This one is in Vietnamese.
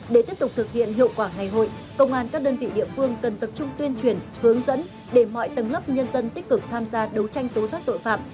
để tiếp tục thực hiện hiệu quả ngày hội công an các đơn vị địa phương cần tập trung tuyên truyền hướng dẫn để mọi tầng lớp nhân dân tích cực tham gia đấu tranh tố giác tội phạm